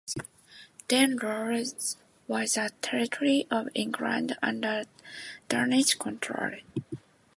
Danelaw was a territory of England under Danish control.